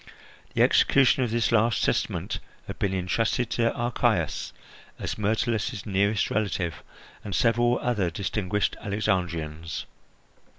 The execution of this last testament had been intrusted to Archias, as Myrtilus's nearest relative, and several other distinguished Alexandrians.